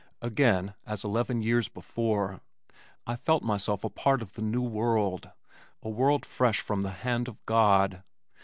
Again, as eleven years before, I felt myself a part of the new world, a world fresh from the hand of God.